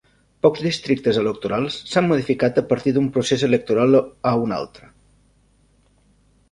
Pocs districtes electorals s'han modificat a partir d'un procés electoral a un altre.